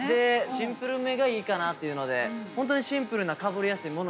シンプルめがいいかなというのでホントにシンプルなかぶりやすい物にしました。